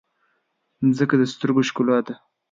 مځکه د سترګو ښکلا ده.